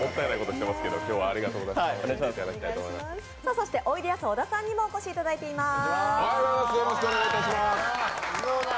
そしておいでやす小田さんにもお越しいただいています。